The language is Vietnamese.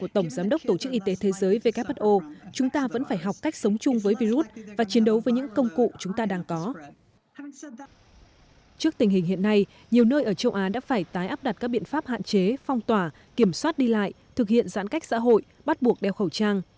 trước tình hình hiện nay nhiều nơi ở châu á đã phải tái áp đặt các biện pháp hạn chế phong tỏa kiểm soát đi lại thực hiện giãn cách xã hội bắt buộc đeo khẩu trang